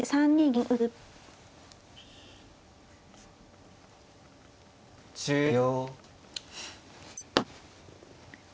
１０秒。